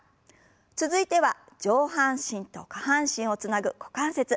続いては上半身と下半身をつなぐ股関節。